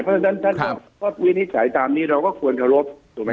เพราะฉะนั้นท่านพบวินิจัยตามนี้เราก็ควรเคารพ